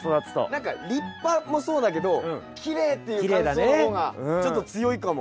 何か立派もそうだけどきれいっていう感想の方がちょっと強いかも。